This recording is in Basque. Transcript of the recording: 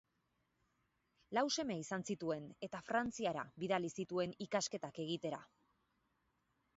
Lau seme izan zituen, eta Frantziara bidali zituen ikasketak egitera.